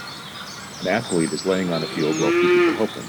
An athlete is laying on a field while two people help him.